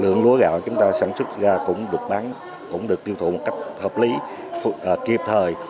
lượng lúa gạo chúng ta sản xuất ra cũng được bán cũng được tiêu thụ một cách hợp lý kịp thời